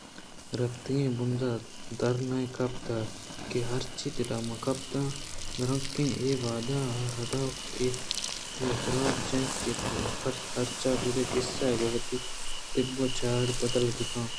رپک ءُہُنراں درنہ کپ اَنت ( ایشی درور است اِنت) کہ ہرچی دل ءَ مہ کپیت آئی ءَ درکن ءُاے وہدءَ اردو ءَ اے رواج انت کہ ہرچ گِدار ءُقِصّہءَ گوں وتی تب ءُچاڑ ءَ بدل بہ کن